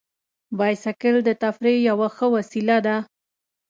بایسکل د تفریح یوه ښه وسیله ده.